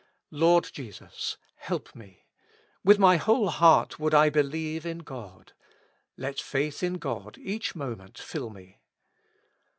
Lord Jesus, help me ! with my whole heart would I believe in God. Let faith in God each moment fill me.